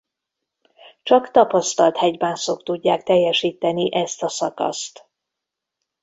Csak tapasztalt hegymászók tudják teljesíteni ezt a szakaszt.